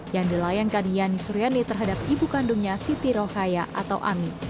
yang dilayangkan yani suryani terhadap ibu kandungnya siti rokaya atau ami